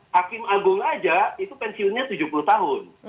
hakim agung aja itu pensiunnya tujuh puluh tahun